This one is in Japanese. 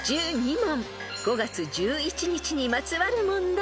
［５月１１日にまつわる問題］